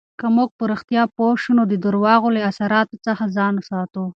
که موږ په رښتیا پوه شو، نو د درواغو له اثراتو څخه ځان ساتو.